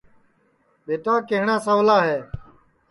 ٻیٹا کیہٹؔا سَولا ہے